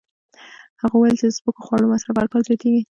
هغه وویل چې د سپکو خوړو مصرف هر کال زیاتېږي.